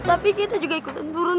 tapi kita juga ikutan turun